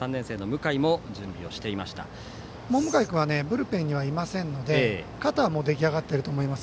向井君はブルペンにはいませんので肩も出来上がってると思います。